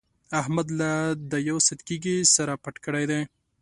احمد له دا يو ساعت کېږي سر پټ کړی دی.